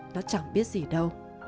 nó chẳng biết gì đâu